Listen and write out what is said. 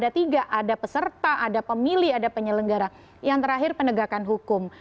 ada tiga ada peserta ada pemilih ada penyelenggara yang terakhir penegakan hukum